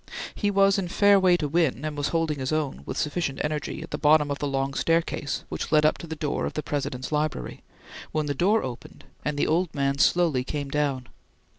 He was in fair way to win, and was holding his own, with sufficient energy, at the bottom of the long staircase which led up to the door of the President's library, when the door opened, and the old man slowly came down.